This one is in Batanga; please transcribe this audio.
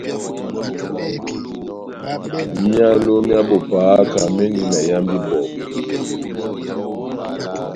Myálo mya bo pahaka mendi na iyambi ibɔbu.